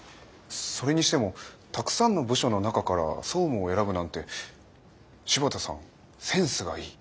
それにしてもたくさんの部署の中から総務を選ぶなんて柴田さんセンスがいい。